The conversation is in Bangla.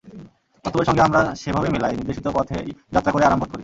বাস্তবের সঙ্গে আমরা সেভাবেই মেলাই, নির্দেশিত পথেই যাত্রা করে আরাম বোধ করি।